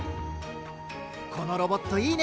このロボットいいね！